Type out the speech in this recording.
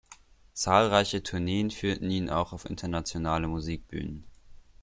Zahlreiche Tourneen führten ihn auch auf internationale Musikbühnen.